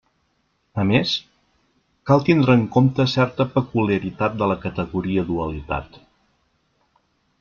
A més, cal tindre en compte certa peculiaritat de la categoria «dualitat».